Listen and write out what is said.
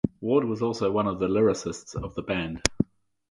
Ward was also one of the lyricists of the band.